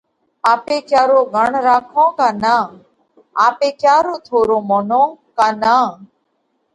آپي ڪيا رو ڳڻ راکونه ڪا نان؟ آپي ڪيا رو ٿورو مونونه ڪا نان؟